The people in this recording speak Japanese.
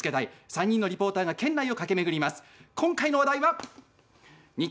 ３人のリポーターが県内を駆け巡ります。